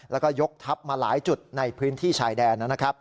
แล้วก็ยกทัพมาหลายจุดในพื้นที่ชายแดนนะครับ